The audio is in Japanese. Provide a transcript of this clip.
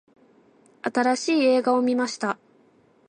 新しい映画を観ました。